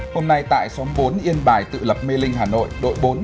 hôm nay tại xóm bốn yên bài tự lập mê linh hà nội đội bốn